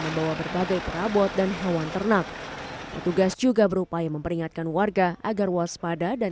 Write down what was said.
membawa berbagai perabot dan hewan ternak petugas juga berupaya memperingatkan warga agar waspada dan